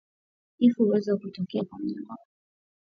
Kifo huweza kutokea kwa mnyama kwa ugonjwa wa mkojo damu